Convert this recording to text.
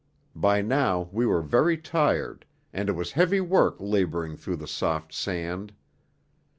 By now we were very tired, and it was heavy work labouring through the soft sand.